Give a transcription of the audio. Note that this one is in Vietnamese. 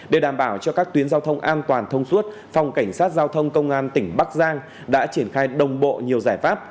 để đảm bảo cho các tuyến giao thông an toàn thông suốt phòng cảnh sát giao thông công an tỉnh bắc giang đã triển khai đồng bộ nhiều giải pháp